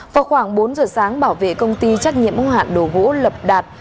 vào khoảng bốn giờ sáng bảo vệ công ty trách nhiệm mô hạn đồ gỗ lập đạt